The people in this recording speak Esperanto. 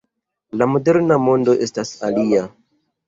La moderna mondo estas alia.